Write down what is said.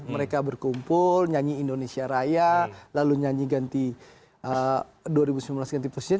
mereka berkumpul nyanyi indonesia raya lalu nyanyi ganti dua ribu sembilan belas ganti presiden